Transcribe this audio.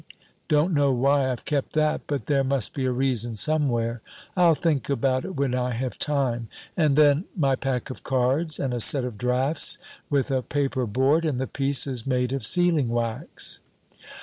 Don't know why I've kept that, but there must be a reason somewhere. I'll think about it when I have time. And then, my pack of cards, and a set of draughts, with a paper board and the pieces made of sealing wax."